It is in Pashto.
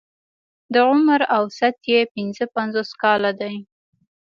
د عمر اوسط يې پنځه پنځوس کاله دی.